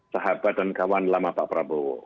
sahabat dan kawan lama pak prabowo